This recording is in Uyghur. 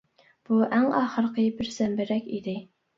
بۇ ئەڭ ئاخىرقى بىر زەمبىرەك ئىدى.